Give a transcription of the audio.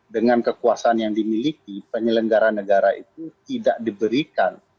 dengan kekuasaan yang dimiliki penyelenggara negara itu tidak diberikan